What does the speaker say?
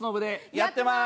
やってます。